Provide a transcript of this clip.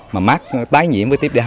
mà mắc tái nhiễm với tiếp d hai